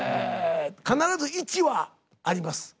必ず１はあります。